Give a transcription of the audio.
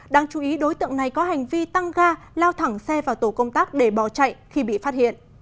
đáng chú ý đối tượng này có hành vi tăng ga lao thẳng xe vào tổ công tác để bỏ chạy khi bị phát hiện